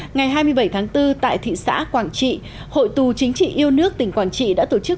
ngày hai mươi bảy tháng bốn tại thị xã quảng trị hội tù chính trị yêu nước tỉnh quảng trị đã tổ chức